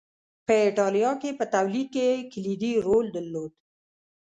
په اېټالیا کې په تولید کې یې کلیدي رول درلود